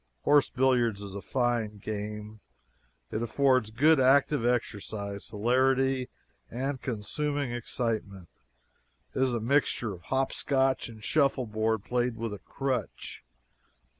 Horse billiards is a fine game. It affords good, active exercise, hilarity, and consuming excitement. It is a mixture of "hop scotch" and shuffleboard played with a crutch.